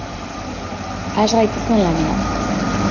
Has gaitezen lanean!